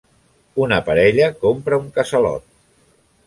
Una parella compra un casalot.